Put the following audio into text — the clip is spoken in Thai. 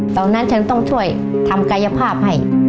ตอนนั้นฉันต้องช่วยทำกายภาพให้